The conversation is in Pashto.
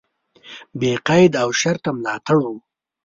بې قید او شرطه ملاتړ و.